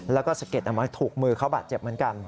แล้วก็สะเก็ดเอาไว้ถูกมือเขาบาดเจ็บเหมือนกัน